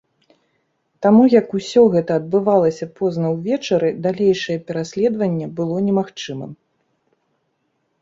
Таму як усё гэта адбывалася позна ўвечары, далейшае пераследаванне было немагчымым.